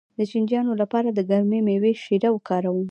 د چینجیانو لپاره د کومې میوې شیره وکاروم؟